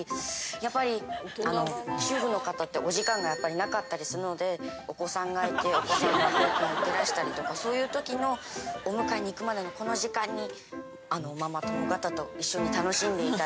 やっぱり主婦の方ってお時間がなかったりするのでお子さんがいてお子さんがお稽古行ってらしたりとかそういうときのお迎えに行くまでのこの時間にママ友方と一緒に楽しんでいただいて。